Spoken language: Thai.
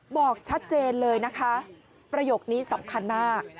บอกชัดเจนเลยนะคะประโยคนี้สำคัญมาก